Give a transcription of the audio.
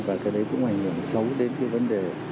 và cái đấy cũng ảnh hưởng xấu đến cái vấn đề